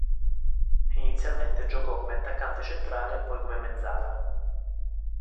Inizialmente giocò come attaccante centrale e poi come mezzala.